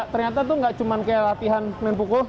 ternyata itu tidak cuma latihan main pukul